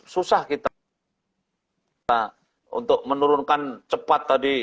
susah kita untuk menurunkan cepat tadi